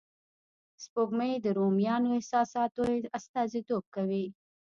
سپوږمۍ د رومانوی احساساتو استازیتوب کوي